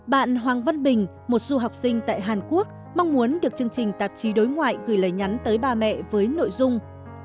bạn hoàng văn bình một du học sinh tại hàn quốc mong muốn được chương trình tạp chí đối ngoại gửi lời nhắn tới ba mẹ với nội dung